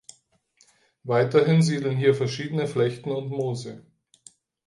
Weiterhin siedeln hier verschiedene Flechten und Moose.